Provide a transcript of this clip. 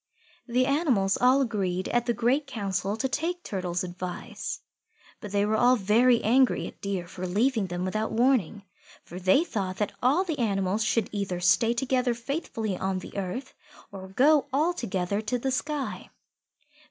The animals all agreed at the Great Council to take Turtle's advice. But they were all very angry at Deer for leaving them without warning, for they thought that all the animals should either stay together faithfully on the earth or go all together to the sky.